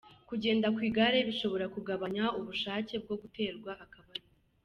Kugenda ku igare bishobora kugabanya ubushake bwo guterwa akabariro